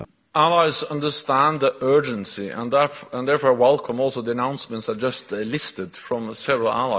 pemimpin mengerti kecemasan dan sehingga mereka mengucapkan juga penyebutan yang baru dikirimkan dari beberapa pembawa